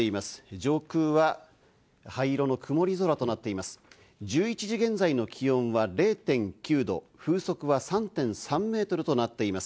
上空は灰色の曇り空となっています。